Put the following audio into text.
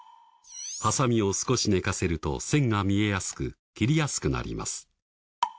ハサミを少し寝かせると線が見えやすく切りやすくなります。